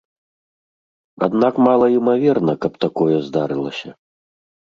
Аднак малаімаверна, каб такое здарылася.